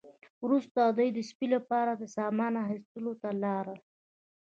وروسته دوی د سپي لپاره د سامان اخیستلو ته لاړل